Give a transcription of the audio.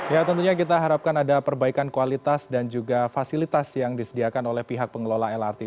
ya tentunya kita harapkan ada perbaikan kualitas dan juga fasilitas yang disediakan oleh pihak pengelola lrt